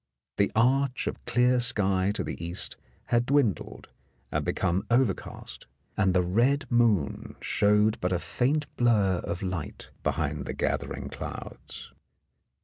The arch of clear sky to the east had dwindled and become over cast, and the red moon showed but a faint blur of light behind the gathering clouds.